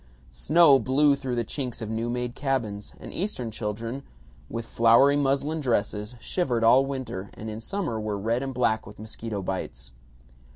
Snow blew through the chinks of new made cabins, and Eastern children, with flowery muslin dresses, shivered all winter and in summer were red and black with mosquito bites.